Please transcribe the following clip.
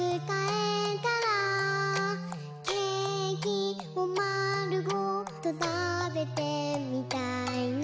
「ケーキをまるごとたべてみたいな」